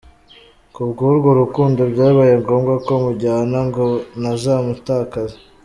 Ku bw’urwo rukundo byabaye ngombwa ko mujyana ngo ntazamutakaza.